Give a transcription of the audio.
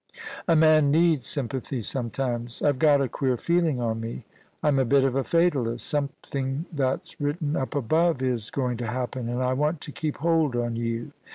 A man needs sympathy sometimes, I've got a queer feeling on me. I'm a bit of a fatalist Something that's written up above is going to happen, and I want to keep hold on you